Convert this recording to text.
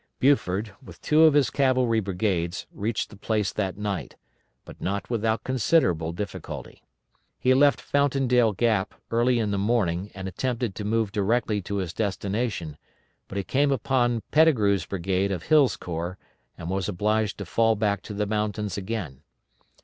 Buford, with two of his cavalry brigades, reached the place that night, but not without considerable difficulty. He left Fountaindale Gap early in the morning and attempted to move directly to his destination, but he came upon Pettigrew's brigade of Hill's corps, and was obliged to fall back to the mountains again.